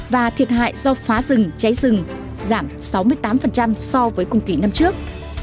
và thiệt hại do phá rừng cháy rừng giảm sáu mươi tám so với cùng kỳ năm trước